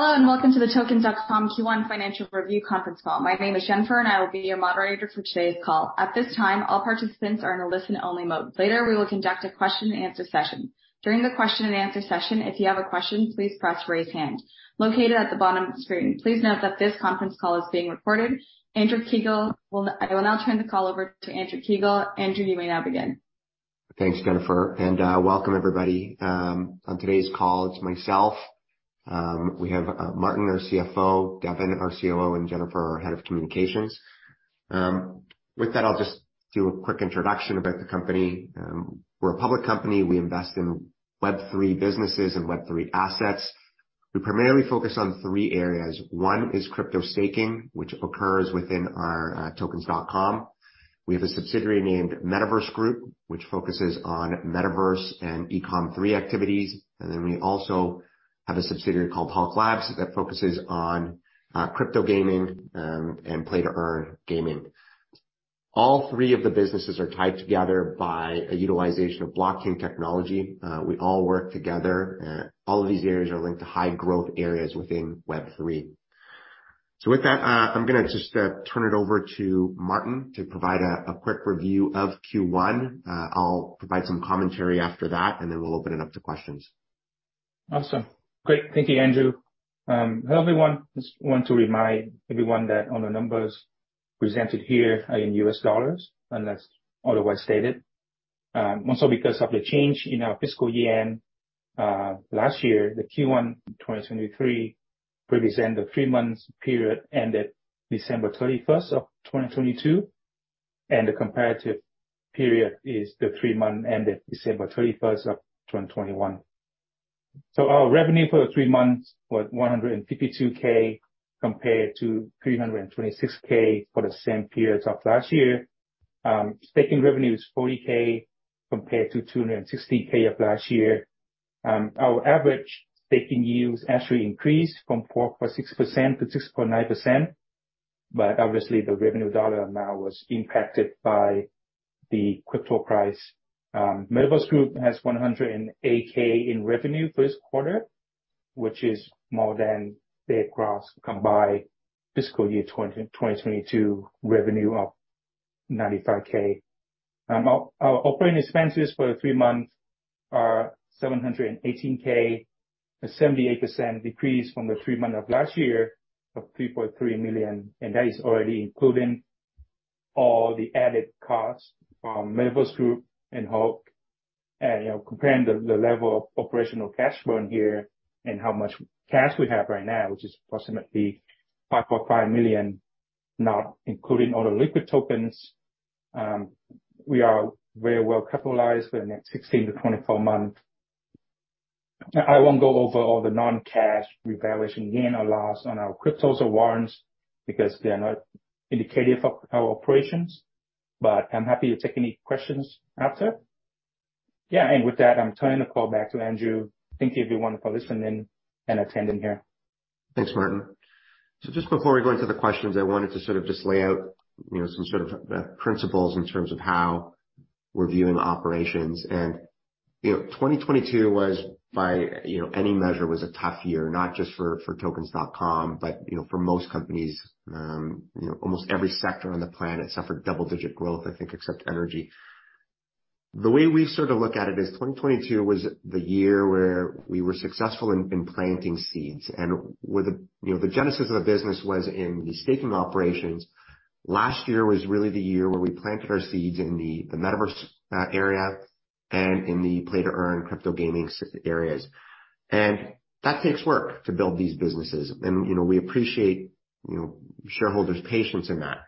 Hello, and welcome to the Tokens.com Q1 Financial Review conference call. My name is Jennifer, and I will be your moderator for today's call. At this time, all participants are in a listen only mode. Later, we will conduct a question and answer session. During the question and answer session, if you have a question, please press raise hand located at the bottom of the screen. Please note that this conference call is being recorded. I will now turn the call over to Andrew Kiguel. Andrew, you may now begin. Thanks, Jennifer, welcome everybody. On today's call, it's myself. We have Martin, our CFO, Devin, our COO, and Jennifer, our Head of Communications. With that, I'll just do a quick introduction about the company. We're a public company. We invest in web3 businesses and web3 assets. We primarily focus on three areas. One is crypto staking, which occurs within our Tokens.com. We have a subsidiary named Metaverse Group, which focuses on Metaverse and ecomm3 activities. We also have a subsidiary called Hulk Labs that focuses on crypto gaming and play-to-earn gaming. All three of the businesses are tied together by a utilization of blockchain technology. We all work together. All of these areas are linked to high growth areas within web3. With that, I'm gonna just turn it over to Martin to provide a quick review of Q1. I'll provide some commentary after that, we'll open it up to questions. Awesome. Great. Thank you, Andrew. Hello everyone. Just want to remind everyone that all the numbers presented here are in US dollars unless otherwise stated. Also because of the change in our fiscal year, last year, the Q1 2023 represent the three-month period ended December 31, 2022, and the comparative period is the three-month ended December 31, 2021. Our revenue for the three months was $152K compared to $326K for the same period of last year. Staking revenue is $40K compared to $260K of last year. Our average staking yields actually increased from 4.6% to 6.9%, but obviously the revenue dollar amount was impacted by the crypto price. Metaverse Group has $108K in revenue for this quarter, which is more than their gross combined fiscal year 2022 revenue of $95K. Our operating expenses for the three months are $718K, a 78% decrease from the three months of last year of $3.3 million, and that is already including all the added costs from Metaverse Group and Hulk. You know, comparing the level of operational cash burn here and how much cash we have right now, which is approximately $5.5 million, not including all the liquid tokens, we are very well capitalized for the next 16-24 months. I won't go over all the non-cash revaluation gain or loss on our cryptos or warrants because they are not indicative of our operations. I'm happy to take any questions after. Yeah. With that, I'm turning the call back to Andrew. Thank you everyone for listening and attending here. Thanks, Martin. Just before we go into the questions, I wanted to sort of just lay out, you know, some sort of principles in terms of how we're viewing the operations. You know, 2022 was by, you know, any measure, was a tough year, not just for Tokens.com, but, you know, for most companies. You know, almost every sector on the planet suffered double-digit growth, I think, except energy. The way we sort of look at it is 2022 was the year where we were successful in planting seeds. Where the genesis of the business was in the staking operations. Last year was really the year where we planted our seeds in the Metaverse area and in the play-to-earn crypto gaming areas. That takes work to build these businesses. You know, we appreciate, you know, shareholders' patience in that.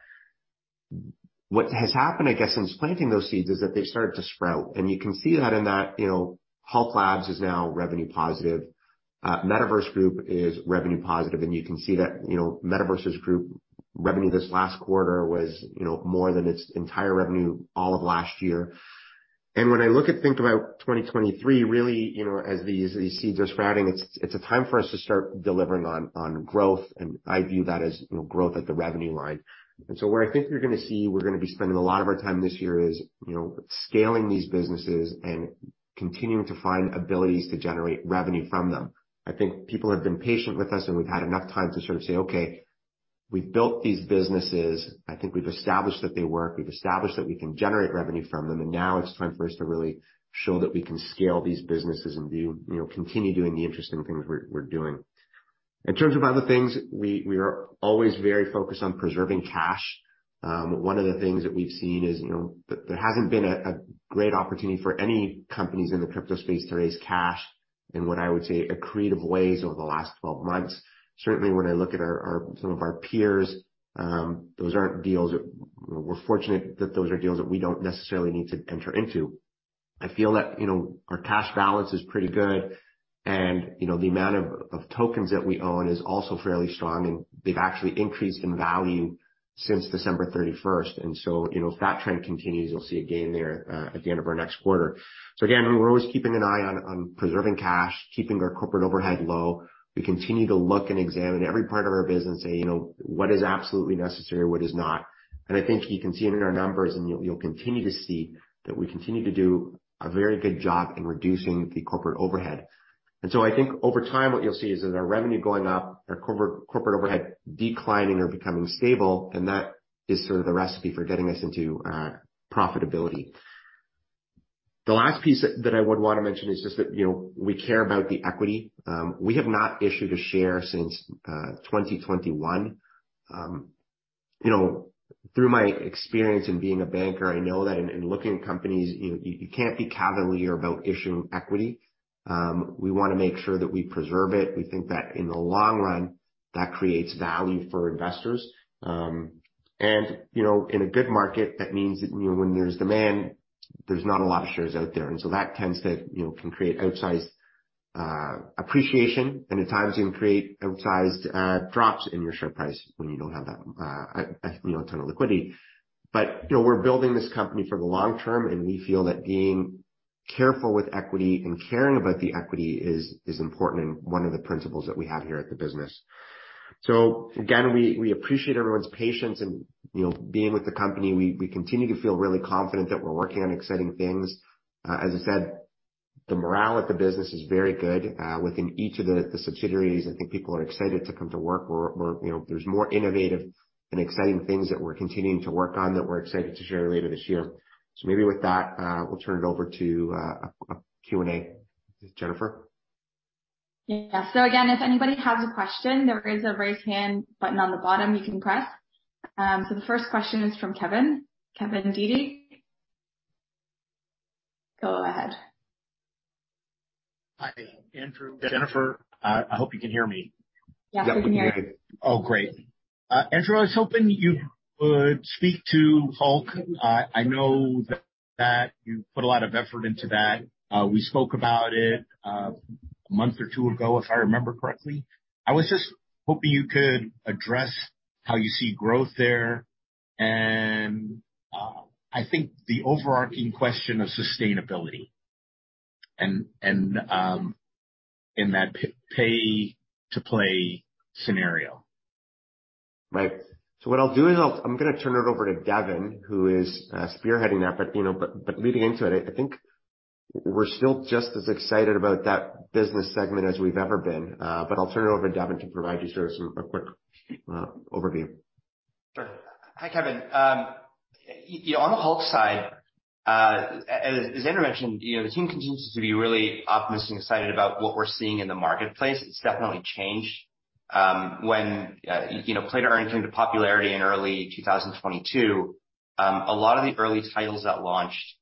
What has happened, I guess, since planting those seeds is that they started to sprout. You can see that in that, you know, Hulk Labs is now revenue positive. Metaverse Group is revenue positive, and you can see that, you know, Metaverse's Group revenue this last quarter was, you know, more than its entire revenue all of last year. When I look at, think about 2023, really, you know, as these seeds are sprouting, it's a time for us to start delivering on growth. I view that as, you know, growth at the revenue line. Where I think you're gonna see we're gonna be spending a lot of our time this year is, you know, scaling these businesses and continuing to find abilities to generate revenue from them. I think people have been patient with us, and we've had enough time to sort of say, "Okay, we've built these businesses. I think we've established that they work. We've established that we can generate revenue from them, and now it's time for us to really show that we can scale these businesses and do, you know, continue doing the interesting things we're doing." In terms of other things, we are always very focused on preserving cash. One of the things that we've seen is, you know, that there hasn't been a great opportunity for any companies in the crypto space to raise cash in what I would say are creative ways over the last 12 months. Certainly when I look at our, some of our peers, We're fortunate that those are deals that we don't necessarily need to enter into. I feel that, you know, our cash balance is pretty good and, you know, the amount of tokens that we own is also fairly strong, and they've actually increased in value since December 31st. you know, if that trend continues, you'll see a gain there at the end of our next quarter. We're always keeping an eye on preserving cash, keeping our corporate overhead low. We continue to look and examine every part of our business and say, you know, "What is absolutely necessary? What is not? I think you can see it in our numbers, and you'll continue to see that we continue to do a very good job in reducing the corporate overhead. I think over time, what you'll see is that our revenue going up, our corporate overhead declining or becoming stable, and that is sort of the recipe for getting this into profitability. The last piece that I would want to mention is just that, you know, we care about the equity. We have not issued a share since 2021. You know, through my experience in being a banker, I know that in looking at companies, you know, you can't be cavalier about issuing equity. We want to make sure that we preserve it. We think that in the long run, that creates value for investors. You know, in a good market, that means that, you know, when there's demand, there's not a lot of shares out there. That tends to, you know, can create outsized appreciation and at times even create outsized drops in your share price when you don't have that, you know, ton of liquidity. You know, we're building this company for the long term, and we feel that being careful with equity and caring about the equity is important and one of the principles that we have here at the business. Again, we appreciate everyone's patience and, you know, being with the company, we continue to feel really confident that we're working on exciting things. As I said, the morale at the business is very good, within each of the subsidiaries. I think people are excited to come to work. We're, you know, there's more innovative and exciting things that we're continuing to work on that we're excited to share later this year. Maybe with that, we'll turn it over to a Q&A. Jennifer? Yeah. Again, if anybody has a question, there is a raise hand button on the bottom you can press. The first question is from Kevin. Kevin Dede go ahead. Hi, Andrew, Jennifer. I hope you can hear me. Yeah, we can hear you. Oh, great. Andrew, I was hoping you could speak to Hulk. I know that you put a lot of effort into that. We spoke about it a month or two ago, if I remember correctly. I was just hoping you could address how you see growth there. I think the overarching question of sustainability and in that pay to play scenario. Right. What I'll do is I'm gonna turn it over to Devin, who is spearheading that. You know, leading into it, I think we're still just as excited about that business segment as we've ever been. I'll turn it over to Devin to provide you sort of a quick overview. Sure. Hi, Kevin. You know, on the Hulk Labs side, as Andrew mentioned, you know, the team continues to be really optimistic and excited about what we're seeing in the marketplace. It's definitely changed. When you know, play-to-earn came to popularity in early 2022, a lot of the early titles that launched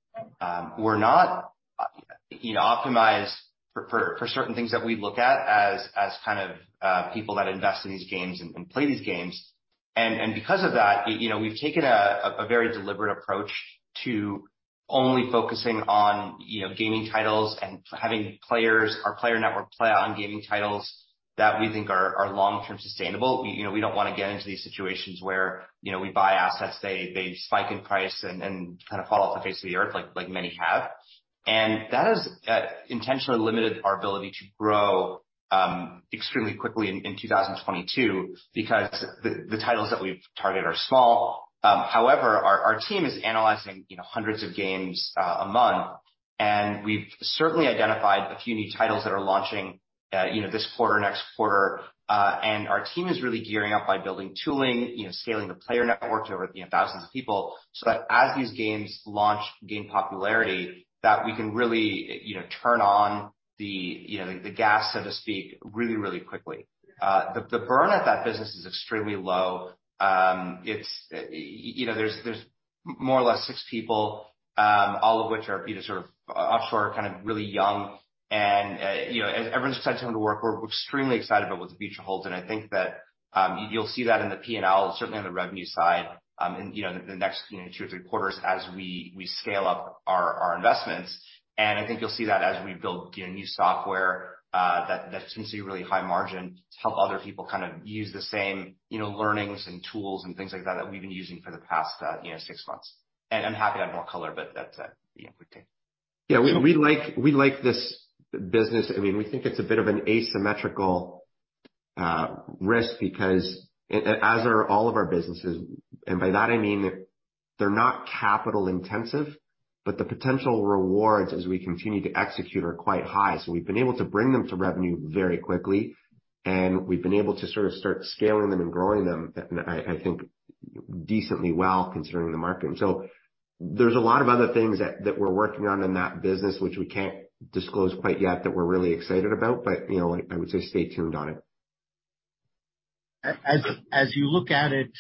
were not, you know, optimized for certain things that we look at as kind of people that invest in these games and play these games. Because of that, you know, we've taken a very deliberate approach to only focusing on, you know, gaming titles and having our player network play on gaming titles that we think are long-term sustainable. You know, we don't want to get into these situations where, you know, we buy assets, they spike in price and kind of fall off the face of the earth like many have. That has intentionally limited our ability to grow extremely quickly in 2022 because the titles that we've targeted are small. However, our team is analyzing, you know, hundreds of games a month, and we've certainly identified a few new titles that are launching, you know, this quarter, next quarter. Our team is really gearing up by building tooling, you know, scaling the player network to over, you know, thousands of people so that as these games launch and gain popularity, that we can really, you know, turn on the gas, so to speak, really quickly. The, the burn at that business is extremely low. It's, you know, there's more or less 6 people, all of which are sort of offshore, kind of really young. You know, everyone's excited to come to work. We're extremely excited about what the future holds. I think that, you'll see that in the P&L, certainly on the revenue side, in, you know, the next two to three quarters as we scale up our investments. I think you'll see that as we build, you know, new software, that tends to be really high margin to help other people kind of use the same, you know, learnings and tools and things like that we've been using for the past, you know, six months. I'm happy to have more color, but that's, you know, quick take. Yeah, we like this business. I mean, we think it's a bit of an asymmetrical risk because as are all of our businesses, and by that I mean they're not capital intensive, but the potential rewards as we continue to execute are quite high. We've been able to bring them to revenue very quickly, and we've been able to sort of start scaling them and growing them, I think decently well considering the market. There's a lot of other things that we're working on in that business, which we can't disclose quite yet, that we're really excited about. You know, I would say stay tuned on it.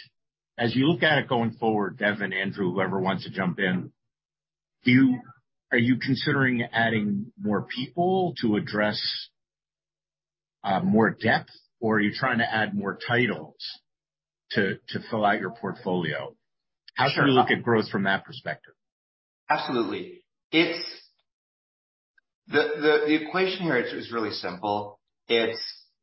As you look at it going forward, Devin, Andrew Kiguel, whoever wants to jump in, are you considering adding more people to address more depth? Or are you trying to add more titles to fill out your portfolio? How should we look at growth from that perspective? Absolutely. The equation here is really simple. It's,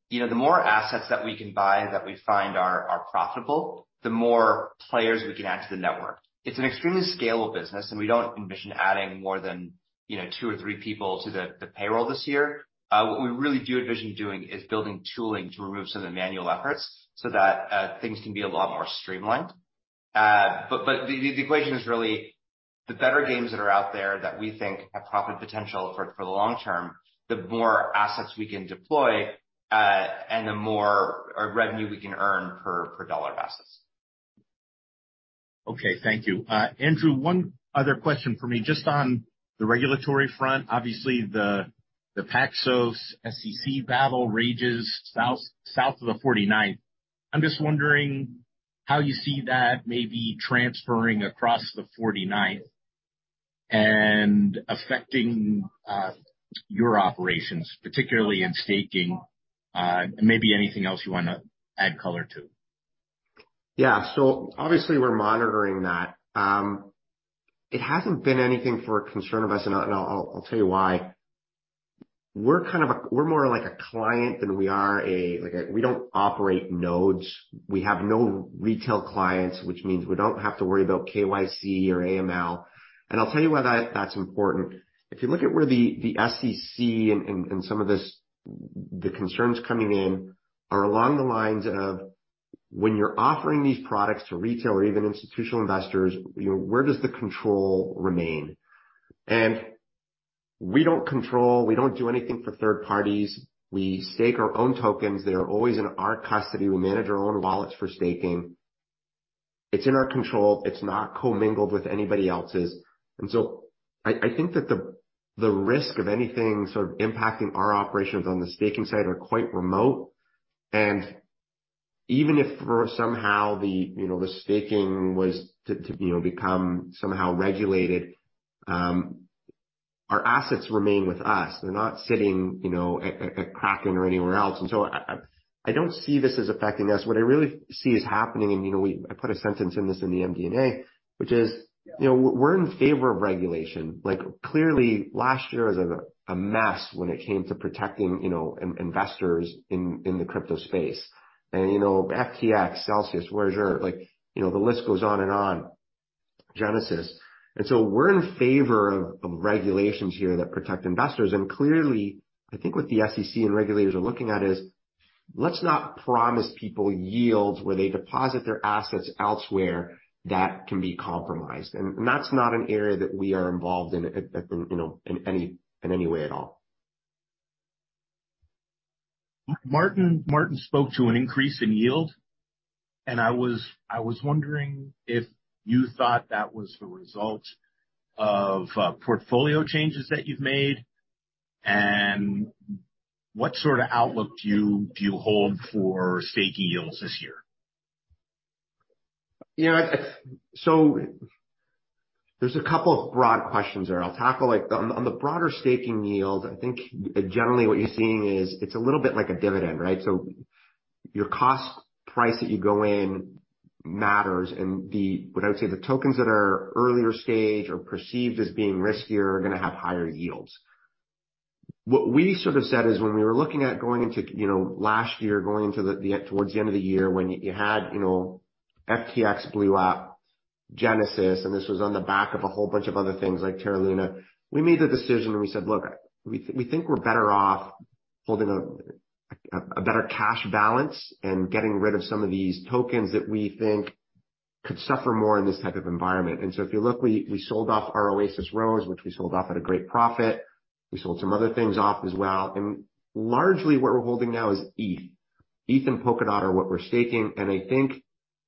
you know, the more assets that we can buy that we find are profitable, the more players we can add to the network. It's an extremely scalable business, and we don't envision adding more than, you know, two or three people to the payroll this year. What we really do envision doing is building tooling to remove some of the manual efforts so that things can be a lot more streamlined. The equation is really the better games that are out there that we think have profit potential for the long term, the more assets we can deploy, and the more revenue we can earn per dollar of assets. Okay, thank you. Andrew, one other question for me, just on the regulatory front. Obviously, the Paxos SEC battle rages south of the 49th. I'm just wondering how you see that maybe transferring across the 49th and affecting your operations, particularly in staking, maybe anything else you wanna add color to. Obviously we're monitoring that. It hasn't been anything for a concern of us, and I'll tell you why. We're more like a client. We don't operate nodes. We have no retail clients, which means we don't have to worry about KYC or AML. I'll tell you why that's important. If you look at where the SEC and some of this, the concerns coming in are along the lines of when you're offering these products to retail or even institutional investors, you know, where does the control remain? We don't control, we don't do anything for third parties. We stake our own tokens. They are always in our custody. We manage our own wallets for staking. It's in our control. It's not co-mingled with anybody else's. I think that the risk of anything sort of impacting our operations on the staking side are quite remote. Even if for somehow the, you know, the staking was to, you know, become somehow regulated, our assets remain with us. They're not sitting, you know, at Kraken or anywhere else. I don't see this as affecting us. What I really see is happening, and, you know, I put a sentence in this in the MD&A, which is, you know, we're in favor of regulation. Like, clearly last year was a mess when it came to protecting, you know, investors in the crypto space. You know, FTX, Celsius, Voyager, like, you know, the list goes on and on. Genesis. We're in favor of regulations here that protect investors. Clearly, I think what the SEC and regulators are looking at is, let's not promise people yields where they deposit their assets elsewhere that can be compromised. That's not an area that we are involved in, at, you know, in any, in any way at all. Martin spoke to an increase in yield, and I was wondering if you thought that was the result of portfolio changes that you've made, and what sort of outlook do you hold for staking yields this year? You know, there's a couple of broad questions there. I'll tackle like, on the broader staking yield, I think generally what you're seeing is it's a little bit like a dividend, right? Your cost price that you go in matters, and what I would say, the tokens that are earlier stage or perceived as being riskier are gonna have higher yields. What we sort of said is when we were looking at going into, you know, last year, going into the towards the end of the year when you had, you know, FTX blew up, Genesis, and this was on the back of a whole bunch of other things like Terra Luna, we made the decision and we said, "Look, we think we're better off holding a better cash balance and getting rid of some of these tokens that we think could suffer more in this type of environment." If you look, we sold off our Oasis ROSE, which we sold off at a great profit. We sold some other things off as well. Largely what we're holding now is ETH. ETH and Polkadot are what we're staking. I think,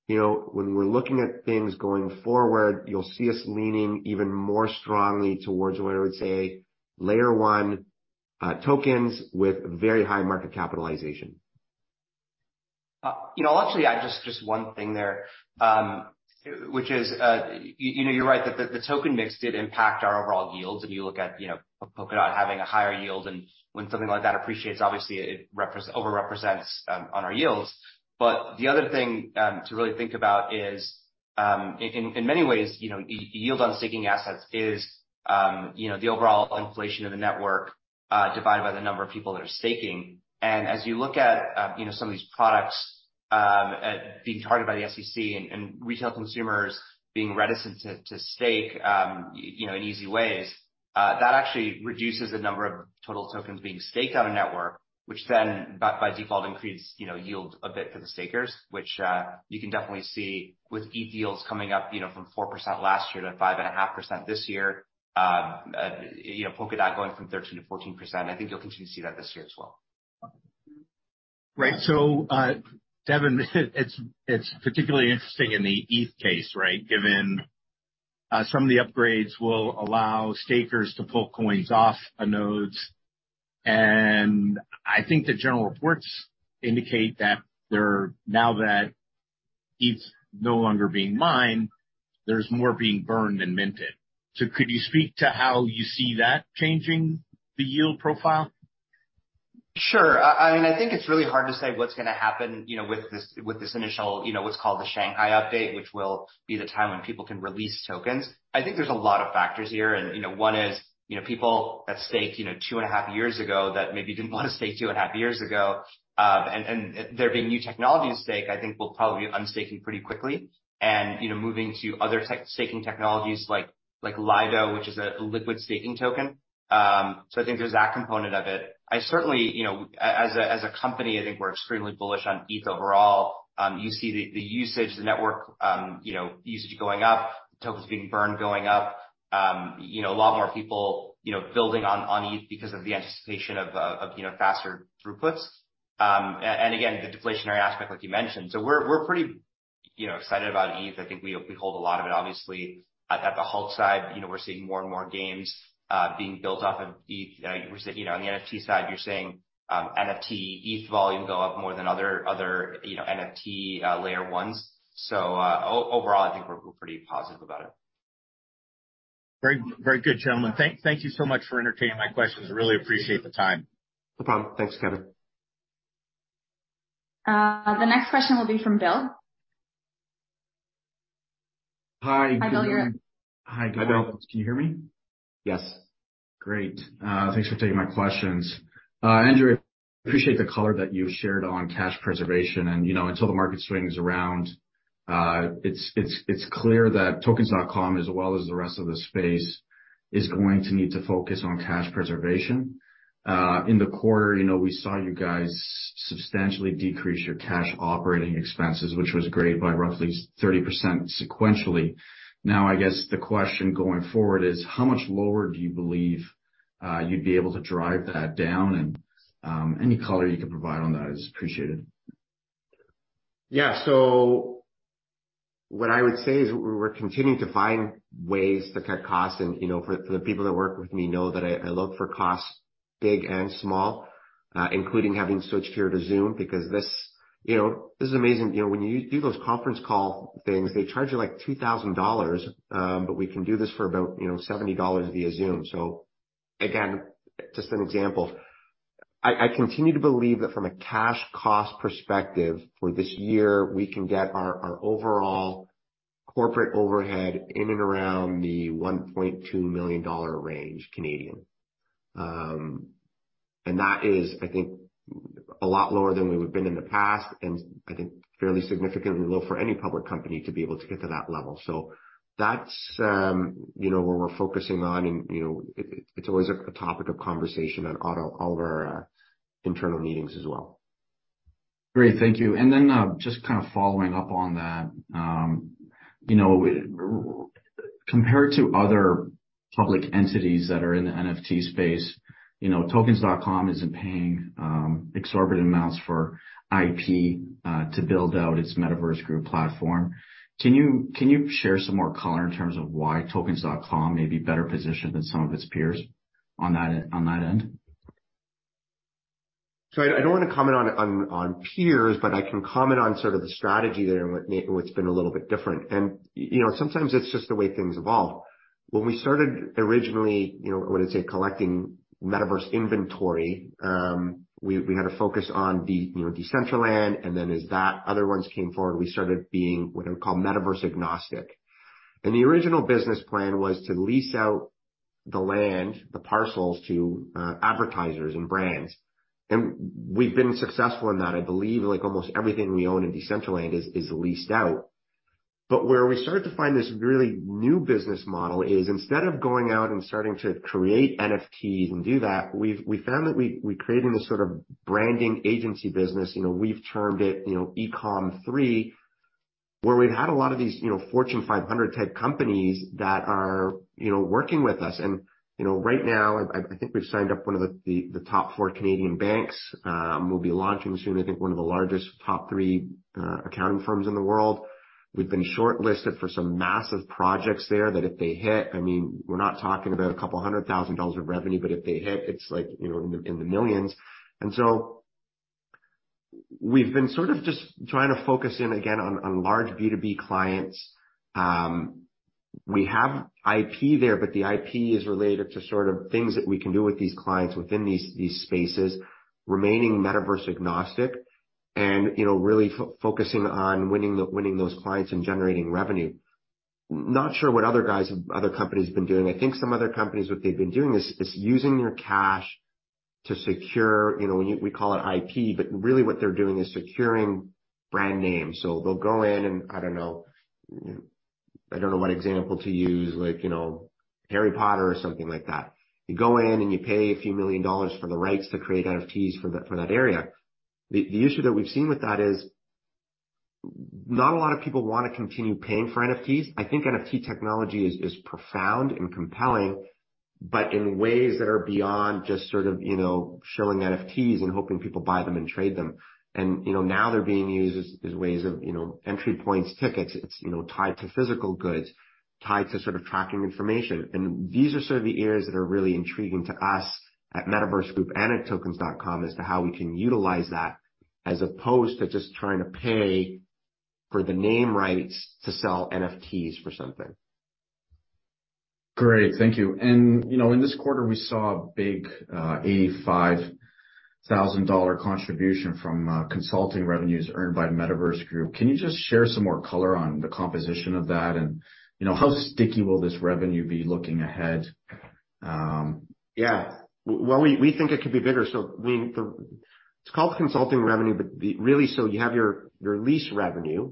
you know, when we're looking at things going forward, you'll see us leaning even more strongly towards what I would say Layer 1 tokens with very high market capitalization. you know, I'll actually add just one thing there, which is, you know, you're right that the token mix did impact our overall yields. If you look at, you know, Polkadot having a higher yield and when something like that appreciates, obviously it overrepresents, on our yields. The other thing, to really think about is, in many ways, you know, yield on staking assets is, you know, the overall inflation of the network, divided by the number of people that are staking. As you look at, you know, some of these products being targeted by the SEC and retail consumers being reticent to stake, you know, in easy ways, that actually reduces the number of total tokens being staked on a network, which then by default increases, you know, yield a bit for the stakers, which you can definitely see with ETH deals coming up, you know, from 4% last year to 5.5% this year. You know, Polkadot going from 13%-14%. I think you'll continue to see that this year as well. Devin, it's particularly interesting in the ETH case, right? Given some of the upgrades will allow stakers to pull coins off of nodes. I think the general reports indicate that now that ETH's no longer being mined, there's more being burned than minted. Could you speak to how you see that changing the yield profile? Sure. I mean, I think it's really hard to say what's gonna happen, you know, with this, with this initial, you know, what's called the Shanghai update, which will be the time when people can release tokens. I think there's a lot of factors here. One is, you know, people that staked, you know, two and a half years ago that maybe didn't want to stake two and a half years ago, and there being new technology at stake, I think will probably be unstaking pretty quickly. Moving to other staking technologies like Lido, which is a liquid staking token. I think there's that component of it. I certainly, you know, as a company, I think we're extremely bullish on ETH overall. You see the usage, the network, you know, usage going up, tokens being burned going up. You know, a lot more people, you know, building on ETH because of the anticipation of, you know, faster throughputs. Again, the deflationary aspect like you mentioned. We're pretty, you know, excited about ETH. I think we hold a lot of it, obviously. At the halt side, you know, we're seeing more and more games being built off of ETH. You know, on the NFT side, you're seeing NFT ETH volume go up more than other, you know, NFT Layer 1s. Overall, I think we're pretty positive about it. Very, very good, gentlemen. Thank you so much for entertaining my questions. I really appreciate the time. No problem. Thanks, Kevin. The next question will be from Bill. Hi, Bill. Hi, Bill, you're up. Hi, guys. Can you hear me? Yes. Great. Thanks for taking my questions. Andrew, appreciate the color that you shared on cash preservation. You know, until the market swings around, it's clear that Tokens.com, as well as the rest of the space, is going to need to focus on cash preservation. In the quarter, you know, we saw you guys substantially decrease your cash operating expenses, which was great, by roughly 30% sequentially. I guess the question going forward is how much lower do you believe, you'd be able to drive that down? Any color you can provide on that is appreciated. Yeah. What I would say is we're continuing to find ways to cut costs and, you know, for the people that work with me know that I look for costs, big and small, including having switched here to Zoom because this, you know, this is amazing. You know, when you do those conference call things, they charge you, like, $2,000, but we can do this for about, you know, $70 via Zoom. Again, just an example. I continue to believe that from a cash cost perspective for this year, we can get our overall corporate overhead in and around the 1.2 million dollar range. That is, I think, a lot lower than we would've been in the past and I think fairly significantly low for any public company to be able to get to that level. That's, you know, where we're focusing on and, you know, it's always a topic of conversation at all of our internal meetings as well. Great. Thank you. Just kind of following up on that, you know, compared to other public entities that are in the NFT space, you know, Tokens.com isn't paying exorbitant amounts for IP to build out its Metaverse Group platform. Can you share some more color in terms of why Tokens.com may be better positioned than some of its peers on that end? I don't wanna comment on peers, but I can comment on sort of the strategy there and what's been a little bit different. You know, sometimes it's just the way things evolve. When we started originally, you know, I wanna say collecting Metaverse inventory, we had a focus on, you know, Decentraland, and then as that other ones came forward, we started being what I would call Metaverse agnostic. The original business plan was to lease out the land, the parcels to, advertisers and brands. We've been successful in that. I believe, like, almost everything we own in Decentraland is leased out. Where we started to find this really new business model is instead of going out and starting to create NFTs and do that, we found that we created this sort of branding agency business, you know, we've termed it, you know, ecomm3, where we've had a lot of these, you know, Fortune 500 type companies that are, you know, working with us. You know, right now, I think we've signed up one of the top four Canadian banks. We'll be launching soon, I think one of the largest top three accounting firms in the world. We've been shortlisted for some massive projects there that if they hit, I mean, we're not talking about $200,000 of revenue, but if they hit, it's like, you know, in the, in the millions. We've been sort of just trying to focus in again on large B2B clients. We have IP there, but the IP is related to sort of things that we can do with these clients within these spaces, remaining Metaverse agnostic and, you know, really focusing on winning those clients and generating revenue. Not sure what other companies have been doing. I think some other companies, what they've been doing is using your cash to secure, you know, we call it IP, but really what they're doing is securing brand names. They'll go in and, I don't know what example to use, like, you know, Harry Potter or something like that. You go in and you pay a few million dollars for the rights to create NFTs for that area. The issue that we've seen with that is not a lot of people wanna continue paying for NFTs. I think NFT technology is profound and compelling, but in ways that are beyond just sort of, you know, showing NFTs and hoping people buy them and trade them. You know, now they're being used as ways of, you know, entry points, tickets. It's, you know, tied to physical goods, tied to sort of tracking information. These are sort of the areas that are really intriguing to us at Metaverse Group and at Tokens.com as to how we can utilize that as opposed to just trying to pay for the name rights to sell NFTs for something. Great. Thank you. you know, in this quarter, we saw a big $85,000 contribution from consulting revenues earned by Metaverse Group. Can you just share some more color on the composition of that? you know, how sticky will this revenue be looking ahead? Yeah. Well, we think it could be bigger. It's called consulting revenue, but really, you have your lease revenue,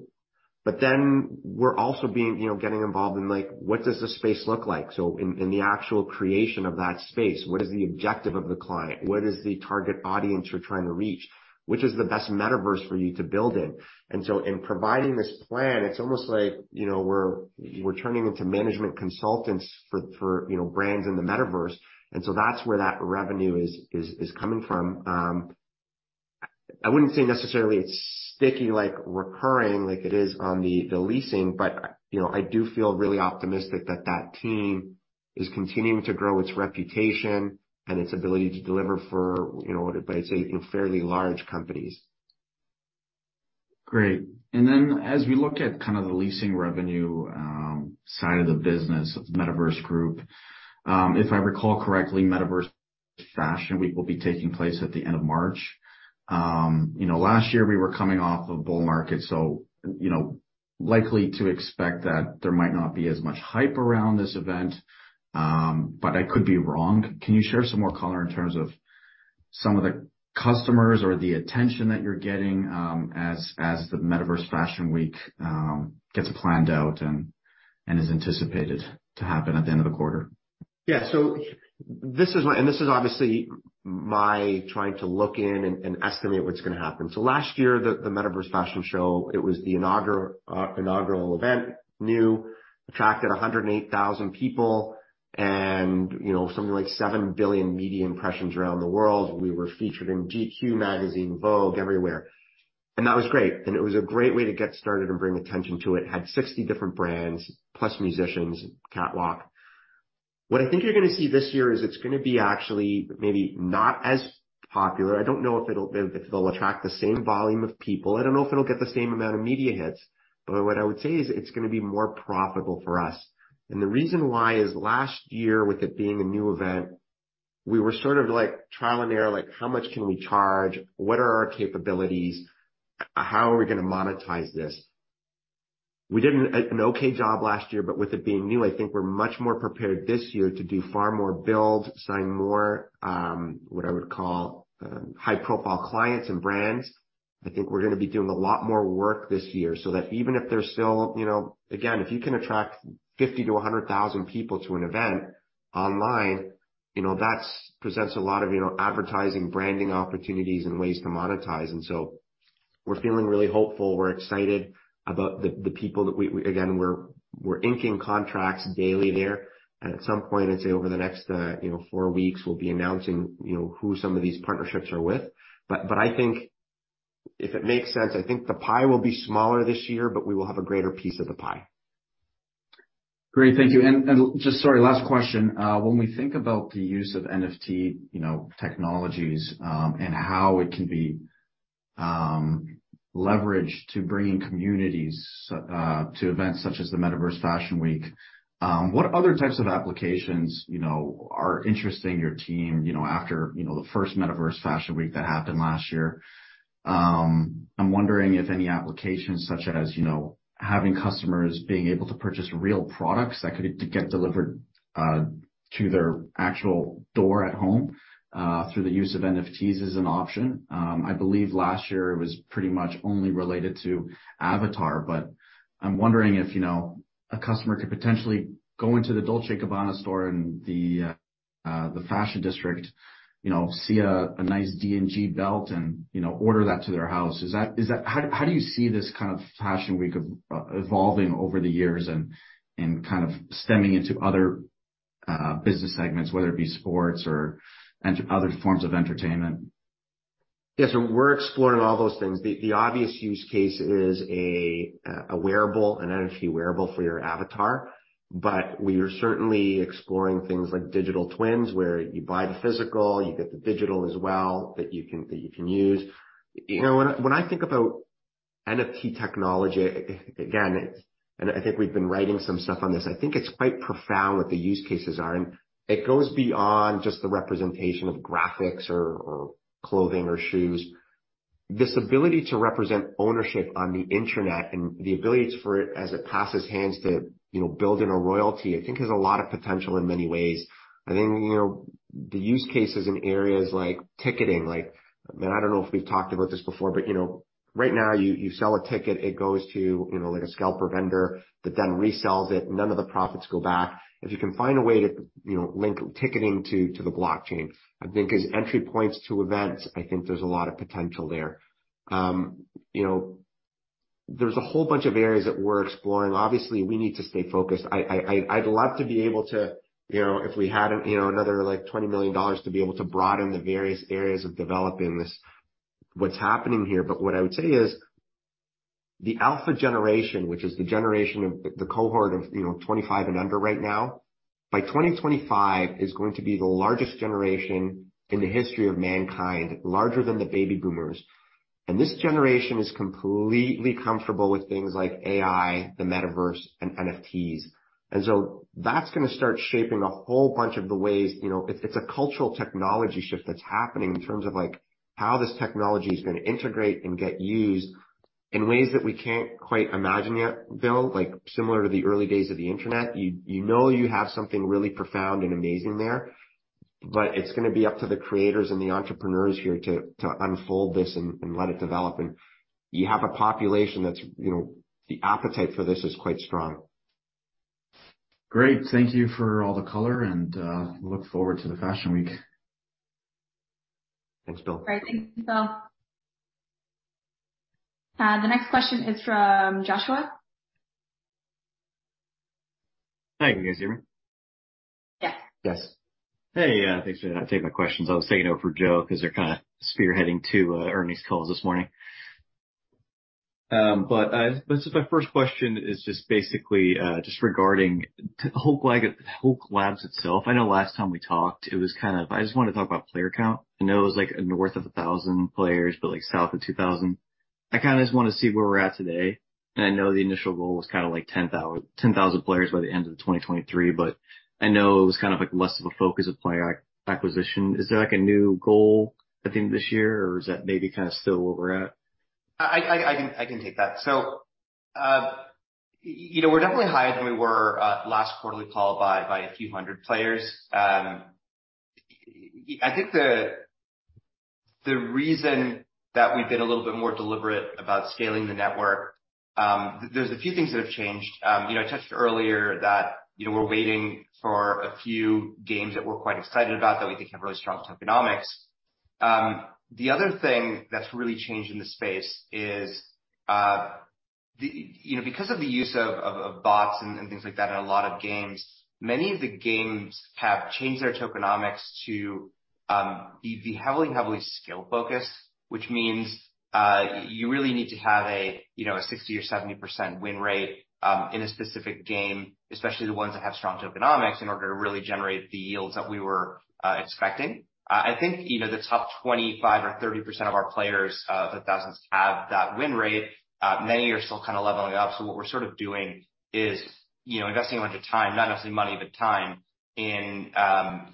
but then we're also being, you know, getting involved in, like, what does the space look like? In the actual creation of that space, what is the objective of the client? What is the target audience you're trying to reach? Which is the best Metaverse for you to build in? In providing this plan, it's almost like, you know, we're turning into management consultants for, you know, brands in the Metaverse. That's where that revenue is coming from. I wouldn't say necessarily it's sticky like recurring like it is on the leasing, but, you know, I do feel really optimistic that that team is continuing to grow its reputation and its ability to deliver for, you know, but I'd say fairly large companies. Great. Then as we look at kind of the leasing revenue, side of the business of Metaverse Group, if I recall correctly, Metaverse Fashion Week will be taking place at the end of March. You know, last year we were coming off of bull market, so, you know, likely to expect that there might not be as much hype around this event, but I could be wrong. Can you share some more color in terms of some of the customers or the attention that you're getting, as the Metaverse Fashion Week, gets planned out and is anticipated to happen at the end of the quarter? This is obviously my trying to look in and estimate what's gonna happen. Last year, the Metaverse Fashion Week, it was the inaugural event, new, attracted 108,000 people and, you know, something like 7 billion media impressions around the world. We were featured in GQ, Vogue, everywhere. That was great, and it was a great way to get started and bring attention to it. Had 60 different brands plus musicians, catwalk. What I think you're gonna see this year is it's gonna be actually maybe not as popular. I don't know if it'll attract the same volume of people. I don't know if it'll get the same amount of media hits. What I would say is it's gonna be more profitable for us. The reason why is last year, with it being a new event, we were sort of like trial and error, like, how much can we charge? What are our capabilities? How are we gonna monetize this? We did an okay job last year, but with it being new, I think we're much more prepared this year to do far more build, sign more, what I would call, high-profile clients and brands. I think we're gonna be doing a lot more work this year so that even if there's still, you know. Again, if you can attract 50,000 to 100,000 people to an event online, you know, that presents a lot of, you know, advertising, branding opportunities and ways to monetize. We're feeling really hopeful. We're excited about the people that we. Again, we're inking contracts daily there. At some point, I'd say over the next, you know, four weeks, we'll be announcing, you know, who some of these partnerships are with. I think if it makes sense, I think the pie will be smaller this year, but we will have a greater piece of the pie. Great. Thank you. Just sorry, last question. When we think about the use of NFT, you know, technologies, and how it can be leveraged to bring in communities to events such as the Metaverse Fashion Week, what other types of applications, you know, are interesting your team, you know, after, you know, the first Metaverse Fashion Week that happened last year? I'm wondering if any applications such as, you know, having customers being able to purchase real products that could get delivered to their actual door at home through the use of NFTs is an option. I believe last year it was pretty much only related to avatar, but I'm wondering if, you know, a customer could potentially go into the Dolce & Gabbana store in the fashion district, you know, see a nice D&G belt and, you know, order that to their house. How do you see this kind of fashion week evolving over the years and kind of stemming into other business segments, whether it be sports or other forms of entertainment? Yeah. We're exploring all those things. The obvious use case is a wearable, an NFT wearable for your avatar, but we are certainly exploring things like digital twins, where you buy the physical, you get the digital as well that you can, that you can use. You know, when I think about NFT technology, again, I think we've been writing some stuff on this. I think it's quite profound what the use cases are, and it goes beyond just the representation of graphics or clothing or shoes. This ability to represent ownership on the Internet and the ability for it as it passes hands to, you know, build in a royalty, I think, has a lot of potential in many ways. I think, you know, the use cases in areas like ticketing, I mean, I don't know if we've talked about this before, but you know, right now you sell a ticket, it goes to, you know, like a scalper vendor that then resells it, none of the profits go back. If you can find a way to, you know, link ticketing to the blockchain, I think as entry points to events, I think there's a lot of potential there. You know, there's a whole bunch of areas that we're exploring. Obviously, we need to stay focused. I'd love to be able to, you know, if we had, you know, another like $20 million to be able to broaden the various areas of developing this, what's happening here. What I would say is the Generation Alpha, which is the generation of the cohort of, you know, 25 and under right now, by 2025 is going to be the largest generation in the history of mankind, larger than the baby boomers. This generation is completely comfortable with things like AI, the metaverse, and NFTs. That's gonna start shaping a whole bunch of the ways. You know, it's a cultural technology shift that's happening in terms of like how this technology is gonna integrate and get used in ways that we can't quite imagine yet, Bill, like similar to the early days of the Internet. You know you have something really profound and amazing there, but it's gonna be up to the creators and the entrepreneurs here to unfold this and let it develop. You have a population that's, you know, the appetite for this is quite strong. Great. Thank you for all the color, and look forward to the Fashion Week. Thanks, Bill. All right. Thank you, Bill. The next question is from Joshua Hi, can you guys hear me? Yeah. Yes. Hey, thanks for taking my questions. I'll say it over for Joe, 'cause they're kind of spearheading two earnings calls this morning. But, this is my first question is just basically, just regarding the whole Hulk Labs itself. I know last time we talked, it was kind of, I just wanna talk about player count. I know it was like north of 1,000 players, but like south of 2,000. I kinda just wanna see where we're at today. I know the initial goal was kinda like 10,000 players by the end of 2023, but I know it was kind of like less of a focus of player acquisition. Is there like a new goal at the end of this year, or is that maybe kinda still where we're at? I can take that. You know, we're definitely higher than we were last quarterly call by a few hundred players. I think the reason that we've been a little bit more deliberate about scaling the network, there's a few things that have changed. You know, I touched earlier that, you know, we're waiting for a few games that we're quite excited about that we think have really strong tokenomics. The other thing that's really changed in the space is, you know, because of the use of bots and things like that in a lot of games, many of the games have changed their tokenomics to be heavily skill-focused. Which means, you really need to have a, you know, a 60% or 70% win rate in a specific game, especially the ones that have strong tokenomics, in order to really generate the yields that we were expecting. I think, you know, the top 25% or 30% of our players, the thousands have that win rate. Many are still kind of leveling up. What we're sort of doing is, you know, investing a bunch of time, not necessarily money, but time in,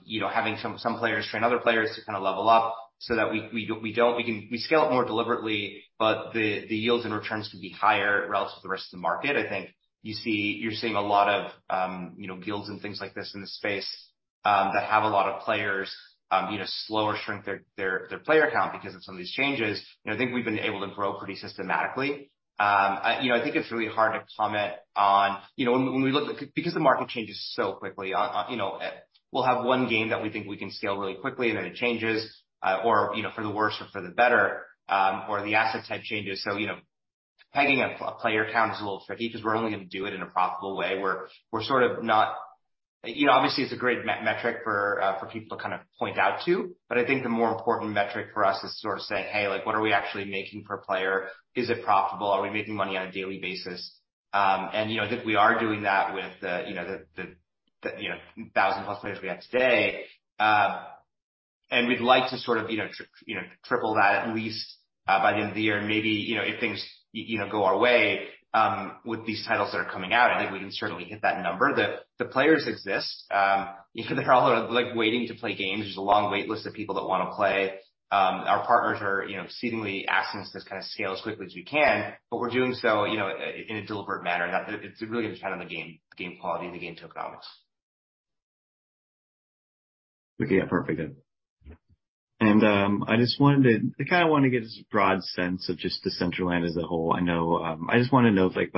you know, having some players train other players to kind of level up so that we scale up more deliberately, but the yields and returns can be higher relative to the rest of the market. I think you're seeing a lot of, you know, guilds and things like this in the space that have a lot of players, you know, slow or shrink their player count because of some of these changes. You know, I think we've been able to grow pretty systematically. You know, I think it's really hard to comment on. You know, when we look at because the market changes so quickly. You know, we'll have one game that we think we can scale really quickly and then it changes or, you know, for the worse or for the better or the asset type changes. You know, pegging a player count is a little tricky because we're only gonna do it in a profitable way. We're sort of not. You know, obviously, it's a great metric for people to kind of point out to, but I think the more important metric for us is sort of saying, "Hey, like, what are we actually making per player? Is it profitable? Are we making money on a daily basis?" You know, I think we are doing that with the, you know, 1,000 plus players we have today. We'd like to sort of, you know, triple that at least by the end of the year. Maybe, you know, if things, you know, go our way, with these titles that are coming out, I think we can certainly hit that number. The players exist. You know, they're all like waiting to play games. There's a long wait list of people that wanna play. Our partners are, you know, exceedingly asking us to kind of scale as quickly as we can. We're doing so, you know, in a deliberate manner. It's really gonna depend on the game quality and the game tokenomics. Okay. Yeah. Perfect then. I kinda wanna get a broad sense of just the Decentraland as a whole. I just wanna know if like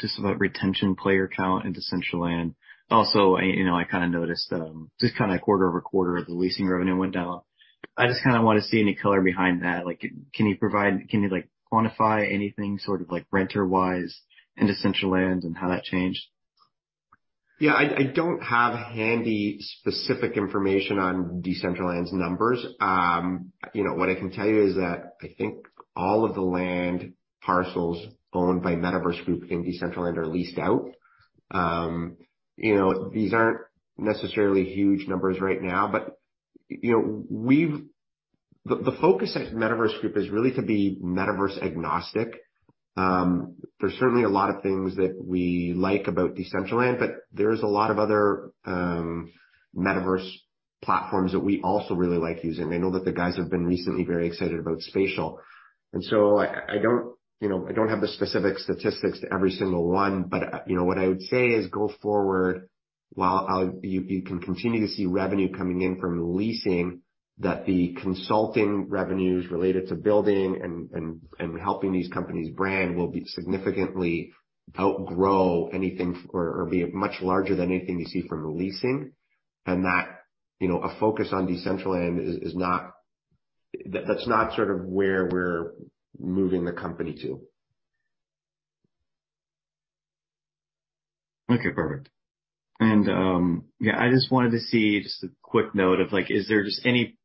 just about retention player count in Decentraland. I, you know, I kinda noticed, just kinda quarter-over-quarter, the leasing revenue went down. I just kinda wanna see any color behind that. Like, can you quantify anything sort of like renter-wise in Decentraland and how that changed? Yeah. I don't have handy specific information on Decentraland's numbers. you know, what I can tell you is that I think all of the land parcels owned by Metaverse Group in Decentraland are leased out. you know, these aren't necessarily huge numbers right now, but, you know, the focus at Metaverse Group is really to be metaverse-agnostic. there's certainly a lot of things that we like about Decentraland, but there's a lot of other, metaverse platforms that we also really like using. I know that the guys have been recently very excited about Spatial. I don't, you know, I don't have the specific statistics to every single one. You know, what I would say is go forward while you can continue to see revenue coming in from leasing, that the consulting revenues related to building and helping these companies brand will be significantly outgrow anything or be much larger than anything you see from the leasing. You know, a focus on Decentraland is not, that's not sort of where we're moving the company to. Okay. Perfect. yeah, I just wanted to see just a quick note of, like, is there just any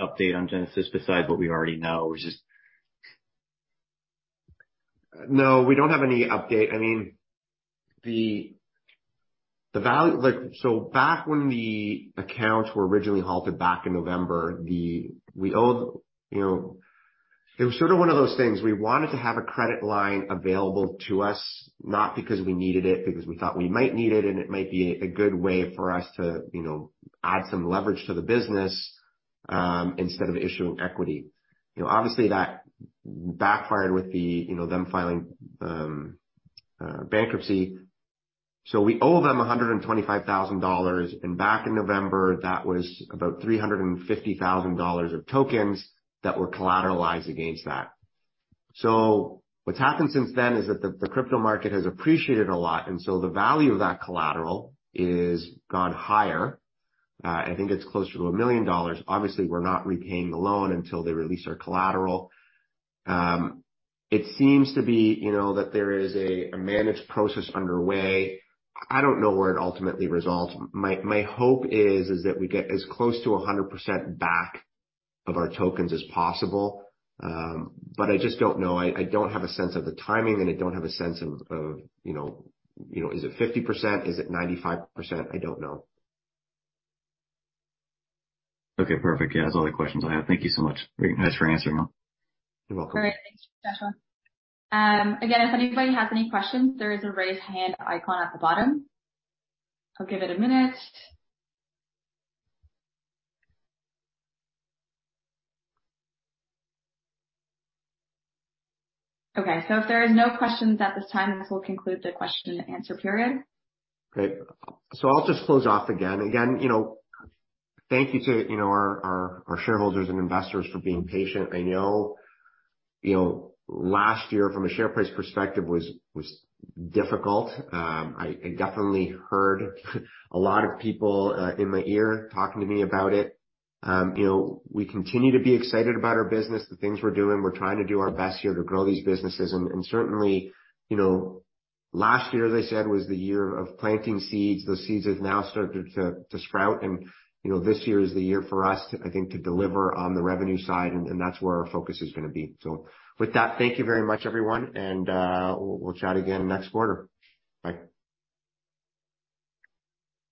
update on Genesis besides what we already know? No, we don't have any update. Back when the accounts were originally halted back in November, it was sort of one of those things. We wanted to have a credit line available to us, not because we needed it, because we thought we might need it, and it might be a good way for us to add some leverage to the business instead of issuing equity. Obviously, that backfired with them filing bankruptcy. We owe them $125,000. Back in November, that was about $350,000 of tokens that were collateralized against that. What's happened since then is that the crypto market has appreciated a lot, the value of that collateral is gone higher. I think it's closer to $1 million. Obviously, we're not repaying the loan until they release our collateral. It seems to be, you know, that there is a managed process underway. I don't know where it ultimately resolves. My hope is that we get as close to 100% back of our tokens as possible. But I just don't know. I don't have a sense of the timing, and I don't have a sense of, you know, is it 50%? Is it 95%? I don't know. Perfect. That's all the questions I have. Thank you so much. Very nice for answering them. You're welcome. Great. Thanks, Joshua. Again, if anybody has any questions, there is a raise hand icon at the bottom. I'll give it a minute. If there are no questions at this time, this will conclude the question and answer period. Great. I'll just close off again, you know, thank you to, you know, our shareholders and investors for being patient. I know, you know, last year, from a share price perspective, was difficult. I definitely heard a lot of people in my ear talking to me about it. You know, we continue to be excited about our business, the things we're doing. We're trying to do our best here to grow these businesses. Certainly, you know, last year, as I said, was the year of planting seeds. Those seeds have now started to sprout. You know, this year is the year for us, I think, to deliver on the revenue side, and that's where our focus is gonna be. With that, thank you very much, everyone. We'll chat again next quarter. Bye.